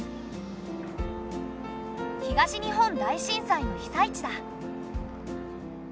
東日本大震災の被災地だ。